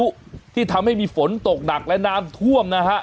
ที่ทำให้มีฝนตกหนักและน้ำท่วมนะฮะ